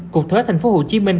cục thuế thành phố hồ chí minh